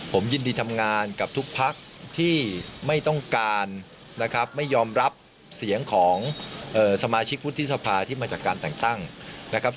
ผมยินดีทำงานกับทุกพักที่ไม่ต้องการนะครับไม่ยอมรับเสียงของสมาชิกวุฒิสภาที่มาจากการแต่งตั้งนะครับ